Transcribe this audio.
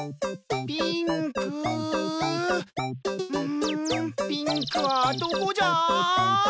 んピンクはどこじゃ？